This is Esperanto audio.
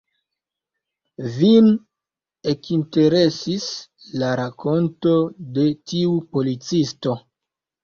Vin ekinteresis la rakonto de tiu policisto.